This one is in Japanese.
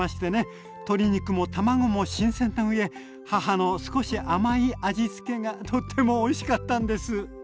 鶏肉も卵も新鮮な上母の少し甘い味付けがとってもおいしかったんです。